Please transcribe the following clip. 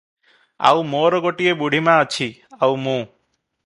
ଆଉ ମୋର ଗୋଟିଏ ବୁଢ଼ୀ ମା ଅଛି, ଆଉ ମୁଁ ।